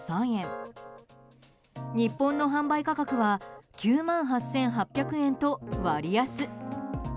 日本の販売価格は９万８８００円と割安。